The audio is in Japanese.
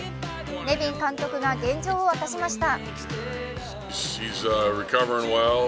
ネビン監督が現状を明かしました。